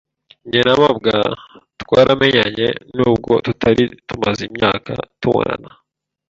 Jye na mabwa twaramenyanye nubwo tutari tumaze imyaka tubonana.